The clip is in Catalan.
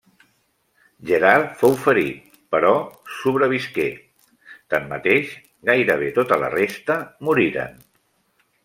Gerard fou ferit, però sobrevisqué; tanmateix, gairebé tota la resta moriren.